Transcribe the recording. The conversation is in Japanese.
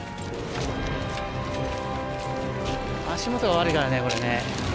足元が悪いからねこれね。